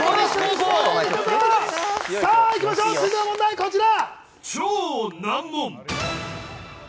続いての問題はこちら。